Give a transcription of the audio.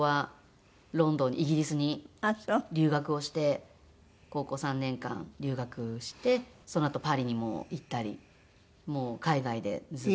イギリスに留学をして高校３年間留学してそのあとパリにも行ったりもう海外でずっと。